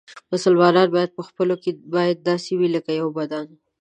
مسلمانان باید په خپلو کې باید داسې وي لکه یو بدن.